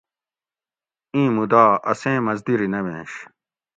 ایں مودا اسیں مزدیری نہ وینش